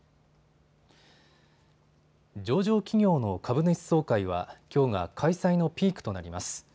上場企業の株主総会は、きょうが開催のピークとなります。